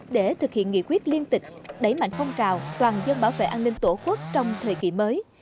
để thực hiện nghị quyết liên tịch đẩy mạnh phong trào toàn dân bảo vệ an ninh tổ quốc trong thời kỳ mới